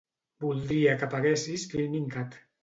Voldria que apaguessis FilminCAT.